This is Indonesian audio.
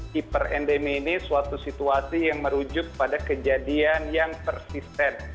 hiperendemi ini suatu situasi yang merujuk pada kejadian yang persisten